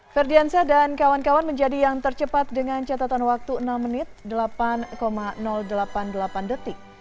ferdiansyah dan kawan kawan menjadi yang tercepat dengan catatan waktu enam menit delapan delapan puluh delapan detik